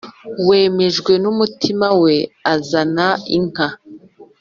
wemejwe n umutima we azana inka